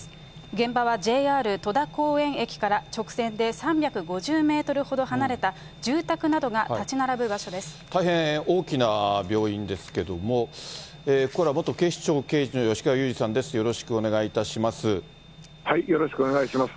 現場はＪＲ戸田公園駅から直線で３５０メートルほど離れた住宅な大変大きな病院ですけども、ここからは元警視庁刑事の吉川祐二さんです、よろしくお願いいたよろしくお願いします。